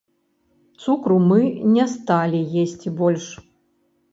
Цукру мы не сталі есці больш.